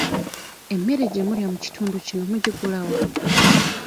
Emmere gye mulya mu kitundu kino mugigula wa?